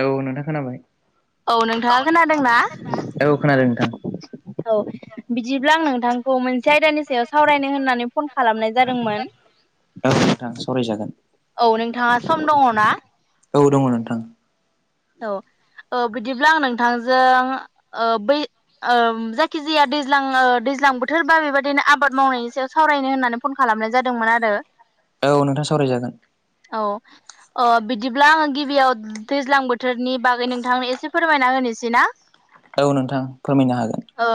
औ नोंथां खोनाबाय। औ नोंथाङा खोनादोंना? औ खोनादों नोंथां औ बिदिब्ला आं नोंथांखौ मोनसे आयदानि सायाव सावरायनो होननानै फन खालामनाय जादोंमोन। औ नोंथां सावरायजागोन औ नोंथाङा सम दङ ना? थां औ बिदिब्ला आं नोंथांजों ओ बै ओ जायखिजाया दैज्लां दैज्लां बोथोर बा बेबायदिनो आबाद मावनायनि सायाव सावरायनो होननानै फन खालाम लामनाय जादोंमोन आरो। औ नोंथां सावरायजागोन। अ बिदिब्ला आङो गिबियाव दैज्लां बो थोरनि बागै नोंथांनो एसे फोरमायना होनोसै ना। औ नोंथां फोरमायनो हागोन। ओ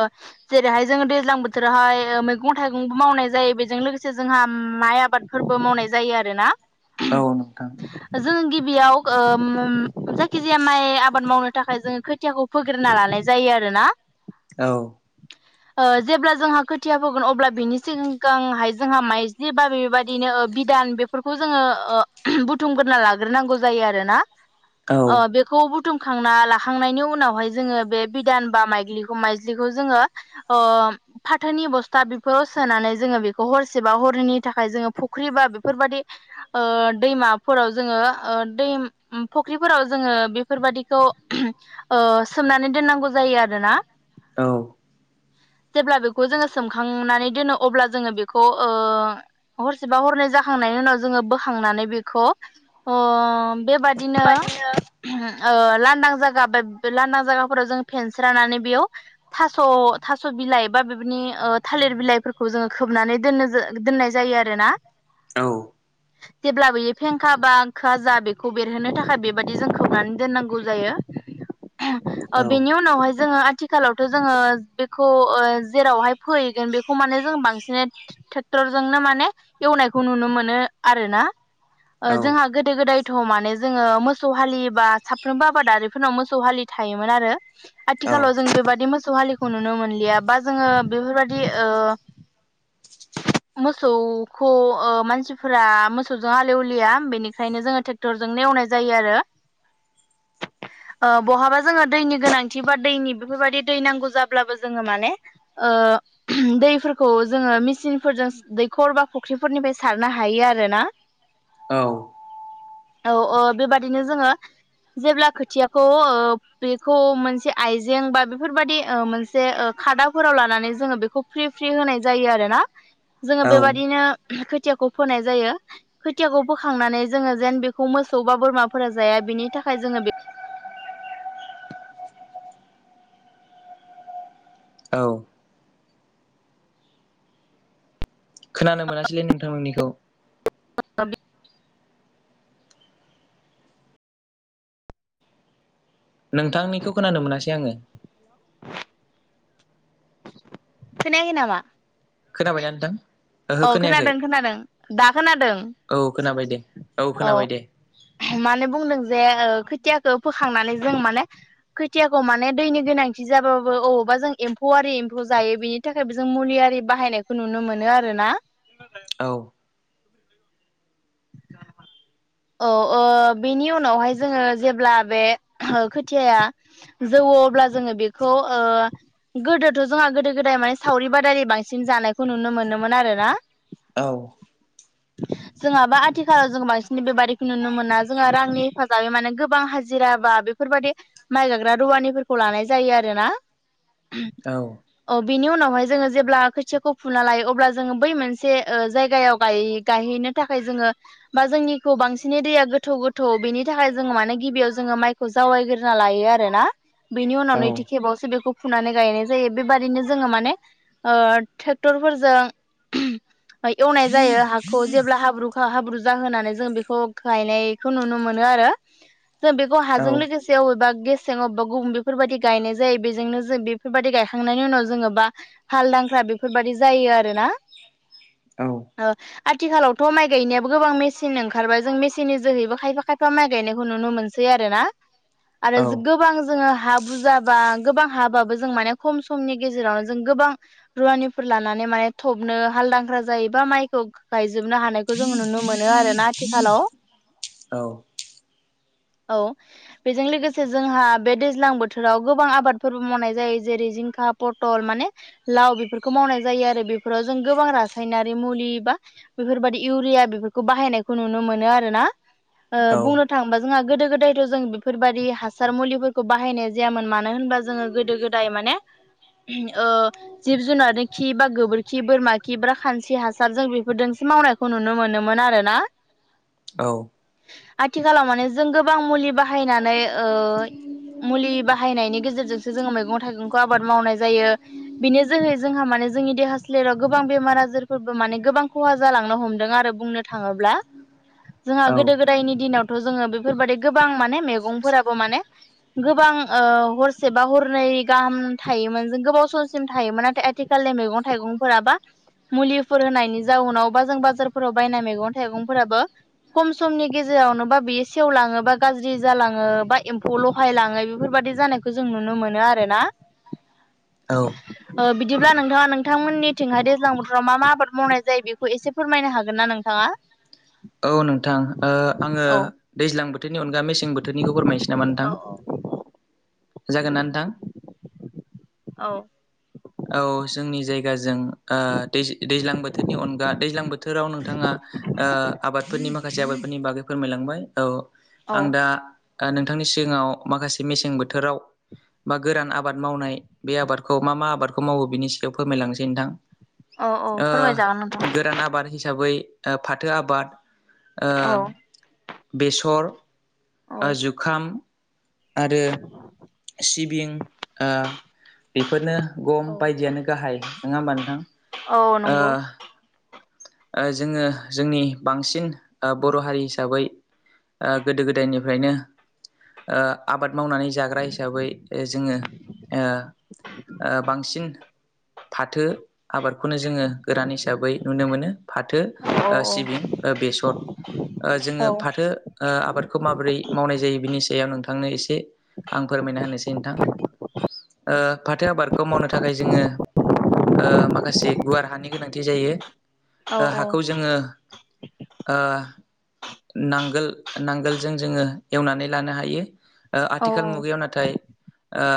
जेरैहाय जोङो दैज्लां बोथोरावहाय मैगं थाइगंबो मावनाय जायो बेजों लोगोसे जोंहा माइ आबादफोर बो मावनाय जायो आरो ना। औ नोंथां। बियाव ओम खिजाया माइ आबाद मावनो थाखाय जोङो खोथियाखौ फोग्रोनना लानाय जायो आरोना। औ। ओ जेब्ला जोंहा खोथिया होगोन अब्ला बिनि सिगगांहाय जोंहा माइज्लि बा बेबायदिनो बिदान बेफोरखौ जोङो बुथुमग्रोना लाग्रोनांगौ जायो आरोना। औ अ बेखौ बुथुम खांना लाखांनायनि उनावहाय जोङो बे बिदान बा माइग्लिखौ माइज्लिखौ जोङो ओ फाथोनि बस्था बेफोराव सोनानै जोङो बेखौ हरसेबा हरैनि थाखाय जोङो फुख्रि बा बेफोरबायदि ओ दैमाफोराव जोङो ओ दै फख्रि फोराव जोङो बेफोरबादिखौ ओ सोमनानै दोननांगौ जायो आरोना। औ जेब्ला बेखौ जोङो सोमखांनानै दोनो अब्ला जोङो बेखौ ओ हरसेबा हरनै जाखांनायनि उनाव जोङो बोखांनानै बेखौ ओ बेबा बादिनो ओ लांदां जायगा बे लांदां जायगाफोराव जों फेनस्रा नानै बेयाव थास' थास' बिलाइ बा बेबनि ओ थालिर बिलाइफोरखौ जोङो खोबनानै दोननो जो दोननाय जायो आरोना। औ जेब्ला बेयो फेंखा बा ओंखा जा बेखौ बेरहोनो थाखाय बे बायदि जों खावनानै दोननांगौ जायो। ओ औ बेनि उनावहाय जोङो आथिखालावथ' जोङो बेखौ ओ जेरावहाय फोयै गोन बेखौ माने जों बांसिन ट्रेक्टरजोंनो माने एवनायखौ नुनो मोनो आरो ना। ओ जोंहा गोदो गोदायथ' माने जोङो मो सौ हालि बा साफ्रोमबो आबादारिफोरनाव मोसौ हालि थायोमोन आरो। आथिलाव जों बेबादि मोसौ हारिखौ नुनो मोनलिया बा जोङो बेफोरबादि ओ मोसौखौ ओ मानसिफोरा मोसौजों आलेवलिया बेनिखायनो जोङो ट्रेक्टरजोंनो एवनाय जायो आरो। ओ बहाबा जोङो दैनि गोनांथि बा दैनि बेफोरबायदि दै नांगौ जाब्लाबो जोङो माने ओ दैफोरखौ जोङो मेसिनफोरजों दैखर बा फुख्रिफोरनिफ्राय सारनो हायो आरोना। [inaudible] औ औ औ बेबादिनो जोङो जेब्ला खोथियाखौ ओ बेखौ मोनसे आइजें बा बेफोरबायदि मोनसे ओ खादाफोराव लानानै जोङो बेखौ फ्रि फ्रि होनाय जायो आरो ना। जोङो औ बेबादिनो खोथियाखौ फोनाय जायो। खोथियाखौ फोखांनानै जोङो जेन बेखौ मोसौ बा बोरमा फोरा जाया बिनि थाखाय जोङो बे औ खोनानो मोनासैलै नोंथां नोंनिखौ [unintelligible] नोंथांनिखौ खोनानो मोनासै आङो। खोनायाखै नामा? खोनाबायना नोंथां? ओहो अ खोनायाखै खोनादों खोनादों दा खोनादों। औ खोनाबाय दे औ खोनाबाय दे मानो बुंदों जे ओ खोथिया खो फोखांनानै जों माने खोथियाखौ माने दैनि गोनांथि जाबाबो अबावबा जों एम्फौआरि एमफौ जायो बेनि थाखायबो जों मुलि आरि बाहायनायखौ नुनो मोनो आरोना। औ [inaudible] [inaudible] अ ओ बेनि उनावहाय जोङो जेब्ला बे खोथियाया जौवो अ ब्ला जोङो बेखौ ओ गोदोथ' जोंहा गोदो-गोदाय माने सावरि बादालि बांसिन जानायखौ नुनो मोनोमोन आरो ना। औ जोंहा बा आथिखालाव जोङो बांसिन बेबादिखौ नुनो मोना। जोंहा रांनि हेफाजाबै माने गोबां हाजिरा बा बे बेफोरबायदि माइ गाग्रा रुवानिफोरखौ लानाय जायो आरो ना। औ बिनि उनावहाय जोङो जेब्ला खोथियाखौ फुना लायो अब्ला जोङो बै मोनसे ओ जायगायाव गाय- गायहैनो थाखाय जोङो बा जोंनिखौ बांसिनै दैया गोथौ गोथौ बेनि थाखाय जोङो मानोे गिबियाव जोङो माइखौ जावायग्रोना लायो आरोना। बेनि उनाव औ नैथि खेबावसो बेखौ फुनानै गायनाय जायो। बेबादिनो जोङो माने ओ ट्रेक्टरजों ओ एवनाय जायो हाखौ। जेब्ला हाब्रु हाब्रु जाहोनानै जों बेखौ गायनायखौ नुनो मोनो आरो। जों बेखौ हाजों लोगोसे अबेबा गेस जों अबबा गुबुन बेफोरबायदि गायनाय जायो बेजोंनो जों बेफोरबायदि गायखांनायनि उनाव जोङोबा हाल दांख्रा बेफोरबायदि जायो आरोना औ ओ आथिखालाव थ' माइ गायनायाबो गोबां मेसिन ओंखारबाय जों मेसिननि जोहैबो खायफा खायफा माइ गायनायखौ नुनो मोनसै आरोना आरो जो गोबां जोङो [inaudible] हा बुजाबा गोबां हाबाबो जों माने खम समनि गेजेरावन जों गोबां रुवानिफोर लानानै बाय थबनो हालदांख्रा जायोबा मायखौ ग-गायज जोबनो हानायखौ जों नुनो मोनो आरोना आथिखालाव। औ औ बेजों लोगोसे जोंहा बे दैज्लां बोथोराव गोबां आबादफोरबो मावनाय जायो जेरै जिं खा, पटल माने लाव बेफोरखौ मावनाय जायो आरो बेफोराव जों गोबां रासायनारि मुलि बा बेफोरबादि इउरिया बेफोरखौ बाहायनायखौ नुनो मोनो आरोना। ओ औ बुंनो थाङोबा जोङा गोदो गोदायथ' जों बेफोरबादि हासार मुलिफोरखौ बाहायनाय जायामोन। मानो होनबा जोङो गोदो गोदाय माने ओ जिब जुनारनि खि बा गोबोरखि बोरमा खि ब्रा खानस्रि हासारजों बेफोरदों मावनायखौ नुनो मोनोमोन आरोना। औ आथिखालाव माने जों गोबां मुलि बाहायनानै ओ मुलि बाहायनायनि गेजेरजोंसो जोङो मैगं थाइगंखौ आबाद मावनाय जायो। बेनि जोहै जोंहा माने जोंनि देहा सो सोलेराव गोबां बेमार आजारफोरबो माने गोबां खहा जालांनो हमदों आरो बुंनो थाङोब्ला। जोंहा औ गोदो गोदायनि दिनावथ' जोङो बेफोरबादि गोबां माने मेगंफोराबो माने गोबां ओ हरसे बा हरनै गाहाम थायोमोन। जों गोबाव समसिम थायोमोन नाथाय आथि खालनि मैंगं थाइगंफोरा बा मुलिफोर होनायनि जाउनावबा जों बाजारफोराव बायनाय मैगं थाइगंफोराबो खम समनि गेजेरावनोबा बियो सेवलाङो बा गाज्रि जालाङो बा एम्फौ लहायलाङो बेफोरबा दि जानायखौ जों नुनो मोनो आरोना। औ ओ बिदिब्ला नोंथाङा नोंथांमोननिथिंहाय दैज्लां बोथोराव मा मा आबाद मावनाय जायो बेखौ एसे फोरमायनो हागोनना नोंथाङा? औ नोंथां ओ आङो औ दैज्लां बोथोरनि अनगा मेस सें बोथोरनिखौ फोरमायनसै नामा नोंथां? जागोनना नोंथां? औ औ जोंनि जायगाजों ओ दैज दैज्लां बोथोरनि अनगा दैज्लां बोथोराव नोंथाङा ओ आबादफोरनि माख खासे आबादफोरनि बागै फोरमायलांबाय। औ औ आं दा ओ नोंथांनि सिगाङाव मासे मसें बोथोराव बा गोरान आबाद मावनाय बे आबादखौ मा मा आबाद खौ मावो बिनि सिगाव फोरमायलांसै नोंथां औ फोरमायजागोन नोंथां गोरान आबाद हिसाबै ओ फाथो आबाद ओ औ बेसर ओ औ जुखाम आरो सिबिं आ बेफोरनो गम बायदियानो गाहाय नोङा ओमबा नोंथां? औ ओ नंगौ। ओ जोङो जोंनि बांसिन ओ बर' हारि हिसाबै ओ गोदो गोदायनिफ्रायनो ओ आबाद मावनानै जाग्रा हिसाबै ओ जोङो ओ ओ बांसिन फाथो आबादखौनो जोङो गोरान हिसाबै नुनो मोनो। फाथो औ ओ औ सिबिं ओ बेसर ओ औ जोङो फाथो ओ आबादखौ माबोरै मावनाय जायो बिनि सायाव नोंथांनो एसे आं फोरमायना होनोसै नोंथां। ओ फाथो आबादखौ मावनो थाखाय जोङो ओ माखासे गुवार हानि गोनांथि जायो। औ ओ हाखौ जोङो ओ नांगोल नांगोलजों जोङो एवनानै लानो हायो। ओ औ आथिखाल मुगायाव नाथाय ओ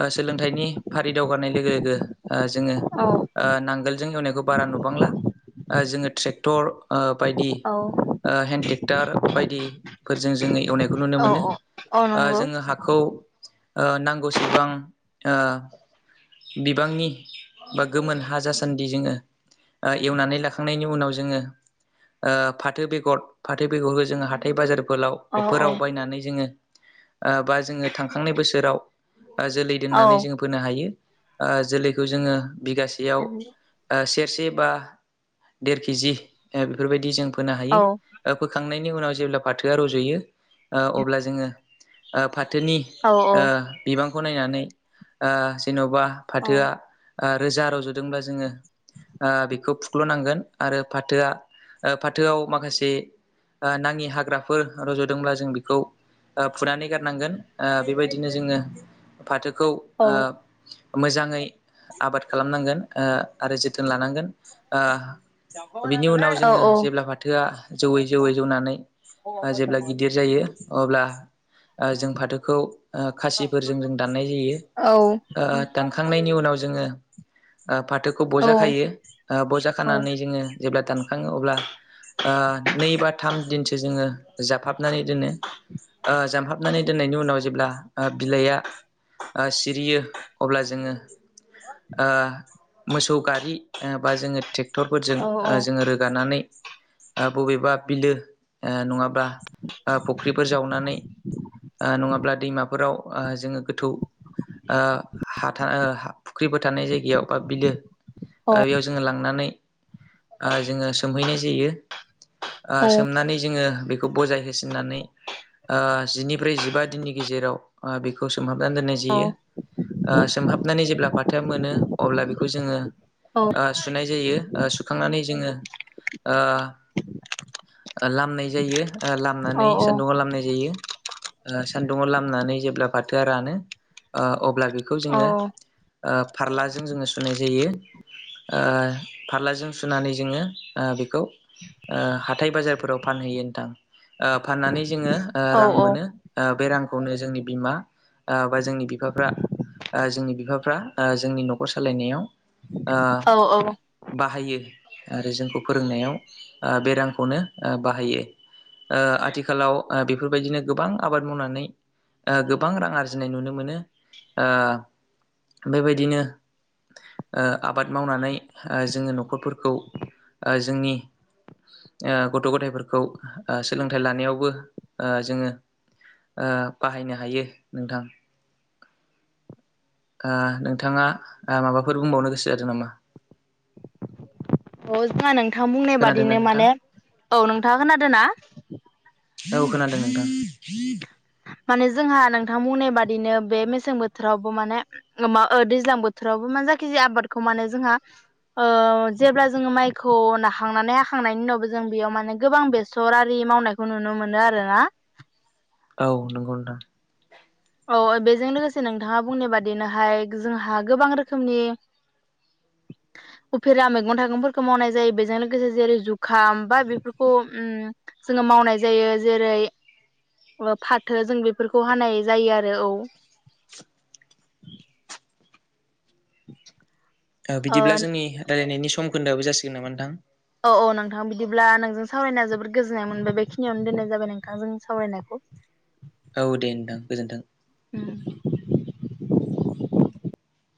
ओ सोलोंथाइनि फारि दावगानाय लोगो लोगो ओ जोङो ओ नांगोलजों एवनायखौ बारा नुबांला। ओ जोङो ट्रेक्टर ओ बायदि औ ओ हेन्द ट्रेक्टर बायदिफोरजों जोङो एवनायखौ नुनो मोनो। औ औ ओ नंगौ जोङो हाखौ ओ नांगौसेबां ओ बिबांनि बा गोमोन हा जासान्दि जोङो। ओ एवनानै लाखांनायनि उनाव जोङो। ओ फाथो बेगर फाथो बेगरखौ जोङो हाथाइ बाजार फोलाव औ औ फोराव बायनानै जोङो ओ बा जोङो थांखांनाय बोसोराव जोलै औ दोननानै जोंङो फोनो हायो जोलैखौ जोङो औ बिगासेयाव ओ सेरसे बा देर केजि बेफोरबायदि जों फोनो हायो फोखांनायनि उनाव जेब्ला फाथोआ रज'यो ओ अब्ला जोङो ओ फाथोनि ओ बिबांखौ नायनानै ओ जेनबा फाथोआ ओ रोजा रावजदोंब्ला जोङो ओ बेखौ फुख्लनांगोन आरो फाथोआ फाथोआव माखासे नाङि हाग्राफोर रजदोंब्ला जों बेखौ फुनानै गारनांगोन ओ बेबायदिनो जोङो फाथोखौ ओ मोजाङै आबाद खालामनांगोन ओ आरो जोथोन लानांगोन ओ बिनि उनाव जोङो जेब्ला फाथोआ जौयै जौयै जौनानै जेब्ला गिदिर जायो अब्ला ओ जों फाथोखौ खासिफोरजों जों दाननाय जायो। ओ दानखांनायनि उनाव जोङो ओ फाथोखौ बजा खायो बजा खानानै जोङो जेब्ला दानखाङो अब्ला ओ नै बा थाम दिनसो जोङो जाबफहाबनानै दोनो जाबहाब नानै दोननायनि उनाव जेब्ला बिलाइआ सिरियो अब्ला जोङो ओ मोसौ गारि बा जोङो ट्रेक्टरफोरजों औ जोङो रोगानानै ओ बबेबा बिलो ओ नङाब्ला ओ फुख्रिफोर जावनानै ओ नङाब्ला दैमाफोराव ओ जोङो गोथौ ओ हाथा ओ हा फुख्रिबो थानाय जायगायाव आ बिलो बेयाव जोङो लांनानै ओ जोङो सोमहैनाय जायो। ओ सोमनानै जोङो बेखौ बजाय होसिननानै ओ जिनिफ्राय जिबा दिननि गेजेराव ओ बेखौ सोमहाबनानै दोननाय जायो सोमहाबनानै जेब्ला फाथोआ मोनो अब्ला बेखौ जोङो ओ सुनाय जायो। आ सुखांनानै जोङो ओ लामनाय जायो। ओ लामनानै सान्दुंङाव लामनाय जायो। सान्दुङाव लामनानै जेब्ला फाथोआ रानो ओ अब्ला बि खौ जोङो ओ फारलाजों जोङो सुनाय जायो। ओ फारलाजों सुनानै जोङो ओ बेखौ ओ हाथाय बाजारफोराव फानहैयो नोंथां ओ फाननानै जोङो ओ रां मोनो ओ बे रांखौनो जोंनि बिमा ओ बा जोंनि बिफाफ्रा ओ जोंनि बिफाफ्रा ओ जोंनि न'खर सालायनायाव ओ औ औ बाहायो आरो जोंखौ फोरोंनायाव ओ बे रांखौनो ओ बाहायो। ओ आथिखालाव ओ बेफोरबायदिनो गोबां आबाद मावनानै ओ गोबां रां आरजिनाय नुनो मोनो ओ बेबायदिनो ओ आबाद मावनानै ओ जोङो नखरफोरखौ ओ जोंनि ओ गथ' गथायफोरखौ ओ सोलोंथाइ लानायावबो ओ जोङो ओ बाहायनो हायो नोंथां ओ नोंथाङा माबाफोर बुंबावनो गोसो जादों नामा औ [unintelligible] नोंथां बुंनाय खोनादोंना बादिनो नोंथां माने औ नोंथाङा खोनादों ना? औ खोनादों नोंथां माने जोंहा नोंथां बुंनाय बादिनो बे मेसें बोथोरावबो माने मा ओ दैज्लां बोथोरावबो मा जा खिजाया आबादखौ माने जोंहा ओ जेब्ला जोङो माइखौ नाखांनानै हाखांनायनि उनावबो जों बेयाव माने गोबां बेसर आरि मावनायखौ नुनो मोनो आरोना। औ नंगौ नोंथां औ बेजों लोगोसे नोंथाङा बुंनाय बादिनोहाय जोंहा गोबां रोखोमनि [inaudible] उफेरा मैगं थाइगंफोरखौ मावनाय जायो बेजों लोगोसे जेरै जुखाम बा बेफोरखौ उम जोङो मावनाय जायो जेरै- फाथो जों बेफोरखौ हानाय जायो आरो औ ओ बिदिब्ला जोंनि रायलायनायनि सम खोन्दोआबो जासिगोन नामा नोंथां? औ औ नोंथां बिदिब्ला नोंजों सावरायना जोबोद गोजोननाय मोनबाय बेखिनियावनो दोननाय जाबाय नोंथांजों सावरायनायखौ। [inaudible] औ दे नोंथां गोजोनथों उम [inaudible]